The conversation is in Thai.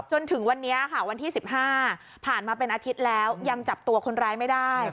จนถึงวันนี้ค่ะวันที่๑๕ผ่านมาเป็นอาทิตย์แล้วยังจับตัวคนร้ายไม่ได้